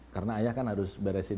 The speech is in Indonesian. karena ayah kan harus beresin